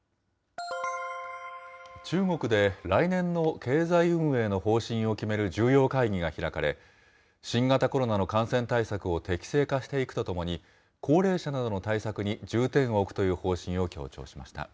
中国で来年の経済運営の方針を決める重要会議が開かれ、新型コロナの感染対策を適正化していくとともに、高齢者などの対策に重点を置くという方針を強調しました。